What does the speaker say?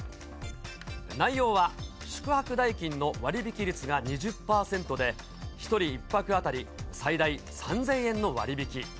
内容は宿泊代金の割引率が２０％で、１人１泊当たり最大３０００円の割引。